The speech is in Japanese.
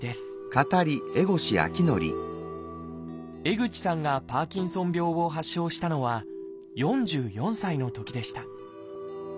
江口さんがパーキンソン病を発症したのは４４歳のときでした。